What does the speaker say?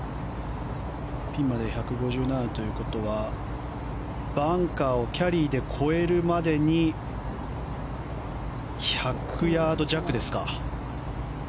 ピンまで１５７ということはバンカーをキャリーで超えるまでに１００ヤード弱ですか。